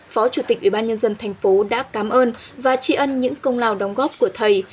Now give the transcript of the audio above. phó chủ tịch ủy ban nhân dân thành phố đã cảm ơn và tri ân những công lao đóng góp của thầy